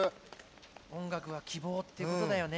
音楽は希望っていうことだよね。